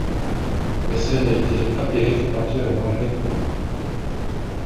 Wessel a été appelé réformateur avant la Réforme.